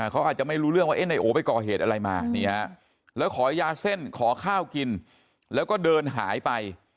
เขาอาจจะไม่รู้เรื่องว่านายโอไปก่อเหตุอะไรมาแล้วขอยาเส้นขอข้าวกินแล้วก็เดินหายไป